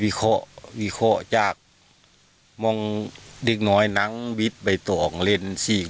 วิเคราะห์วิเคราะห์จากมองเล็กน้อยน้ำบิ๊ดใบต่องเล่นสีก